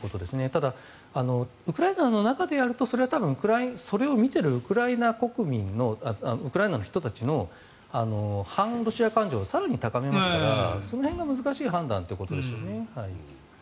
ただ、ウクライナの中でやるとすればそれを見ているウクライナの人たちの反ロシア感情を更に高めますからその辺が難しい判断ということでしょうね。